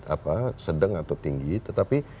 apa sedang atau tinggi tetapi